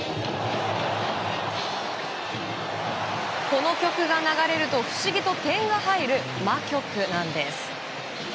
この曲が流れると不思議と点が入る魔曲なんです。